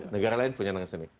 negara lain punya nangan seni